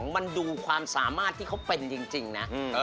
มันดูความสามารถที่เขาเป็นจริงนะ